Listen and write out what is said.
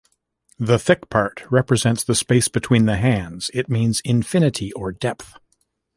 The thick part represents the space between the hands, it means infinity or depth.